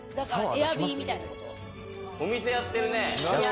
お店やってるね。